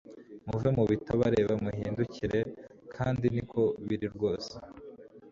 muve mubi tabareba muhindukire kandi niko biri rwose